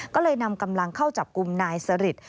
ก็เลยนำกำลังเข้าจับกลุ่มนายสริท